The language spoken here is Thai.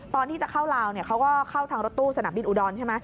ตอนที่จะเข้าลาวเขาก็เข้าทางรถตู้สนามบินอุดรใช่ไหม